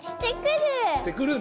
してくる。